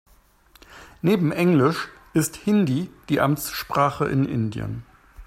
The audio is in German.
Neben englisch ist Hindi die Amtssprache in Indien.